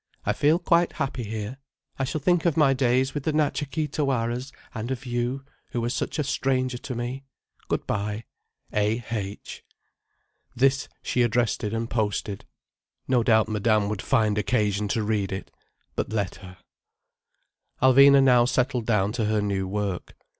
I feel quite happy here. I shall think of my days with the Natcha Kee Tawaras, and of you, who were such a stranger to me. Good bye.—A. H." This she addressed and posted. No doubt Madame would find occasion to read it. But let her. Alvina now settled down to her new work.